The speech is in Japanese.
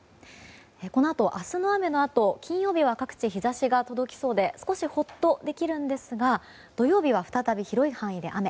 このあと、明日の雨のあと金曜日は各地日差しが届きそうで少しホッとできるんですが土曜日は再び広い範囲で雨。